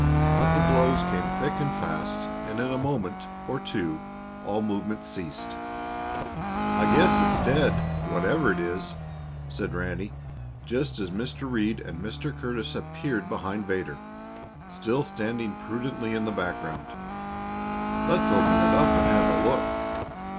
But the blows came thick and fast, and in a moment or two all movement ceased. "I guess it's dead, whatever it is," said Ranny, just as Mr. Reed and Mr. Curtis appeared behind Vedder, still standing prudently in the background. "Let's open it up and have a look."